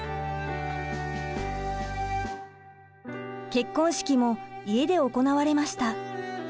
結婚式も家で行われました。